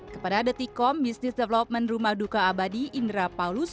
kepada detikom business development rumah duka abadi indra paulus